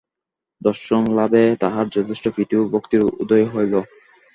দর্শনলাভে তাহার যথেষ্ট প্রীতি ও ভক্তির উদয় হইল।